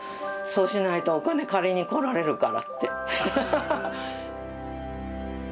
そうしないとお金借りに来られるからって。